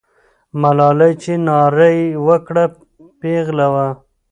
ملالۍ چې ناره یې وکړه، پیغله وه.